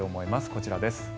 こちらです。